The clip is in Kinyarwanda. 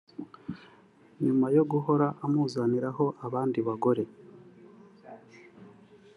nyuma yo guhora amuzaniraho abandi bagore